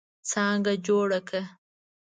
څانګه جوړه کړه.